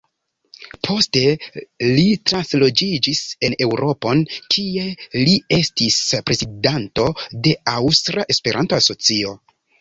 Poste li transloĝiĝis en Eŭropon, kie li estis prezidanto de “Aŭstra Esperanto-Asocio”.